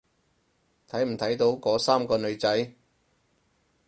睇唔睇到嗰三個女仔？